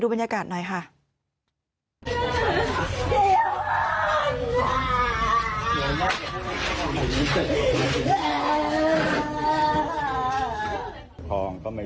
บรรยากาศหน่อยค่ะ